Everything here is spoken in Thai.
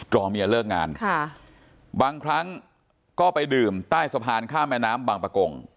รอเมียเลิกงานค่ะบางครั้งก็ไปดื่มใต้สะพานข้ามแม่น้ำบางประกง